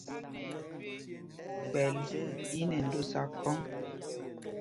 Kpɛ̂l í nɛ ndōsā khɔ́ŋ.